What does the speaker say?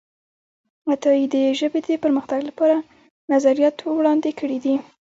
عطايي د ژبې د پرمختګ لپاره نظریات وړاندې کړي دي.